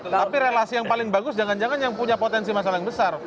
tapi relasi yang paling bagus jangan jangan yang punya potensi masalah yang besar